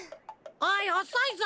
おいおそいぞ！